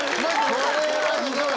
これはひどい。